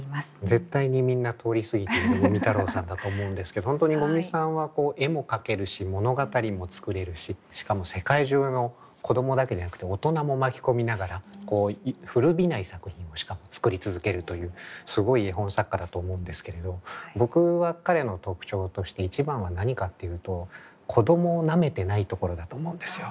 絶対にみんな通り過ぎてる五味太郎さんだと思うんですけど本当に五味さんは絵も描けるし物語も作れるししかも世界中の子供だけでなくて大人も巻き込みながら古びない作品をしかも作り続けるというすごい絵本作家だと思うんですけれど僕は彼の特徴として一番は何かっていうと子供をなめてないところだと思うんですよ。